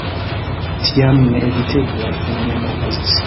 Tiam neevitebla fenomeno okazis.